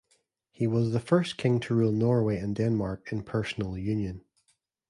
He was the first king to rule Norway and Denmark in personal union.